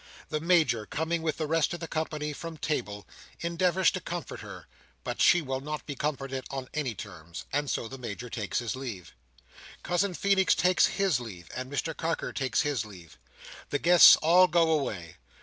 The Major, coming with the rest of the company from table, endeavours to comfort her; but she will not be comforted on any terms, and so the Major takes his leave. Cousin Feenix takes his leave, and Mr Carker takes his leave. The guests all go away.